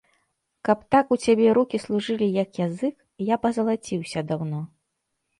Каб так у цябе рукі служылі, як язык, я б азалаціўся даўно.